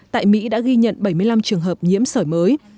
tại mỹ đã ghi nhận bảy mươi năm trường hợp nhiễm sởi mới